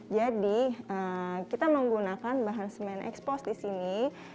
jadi kita menggunakan bahan semen ekspos di sini